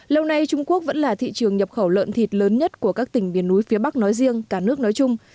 lâu nay trung quốc vẫn là thị trường nhập khẩu lợn thịt lớn nhất của các tỉnh miền núi phía bắc nói riêng cả nước nói chung